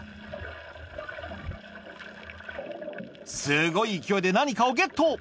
すごい勢いで何かをゲット！